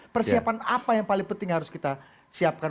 persiapan apa yang paling penting harus kita siapkan